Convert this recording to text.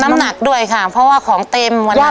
น้ำหนักด้วยค่ะเพราะว่าของเต็มวันนี้